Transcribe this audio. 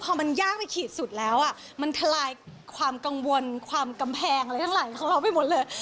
พอมันยากไปขีดสุดแล้วมันทลายความกังวลความกำแพงอะไรทั้งหลายของเราไปหมดเลย